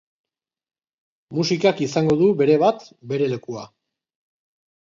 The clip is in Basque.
Musikak izango du, berebat, bere lekua.